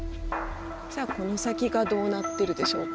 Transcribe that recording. じゃあこの先がどうなってるでしょうか。